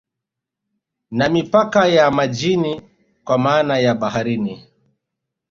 Na mipaka ya majini kwa maana ya baharini